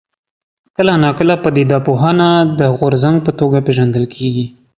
کله ناکله پدیده پوهنه د غورځنګ په توګه پېژندل کېږي.